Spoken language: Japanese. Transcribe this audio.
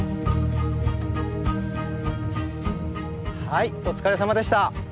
はいお疲れさまでした。